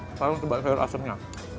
sekarang coba sayur asemnya